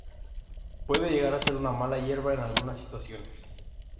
Puede llegar a ser una mala hierba en algunas situaciones.